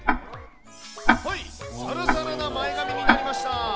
はい、さらさらな前髪になりました。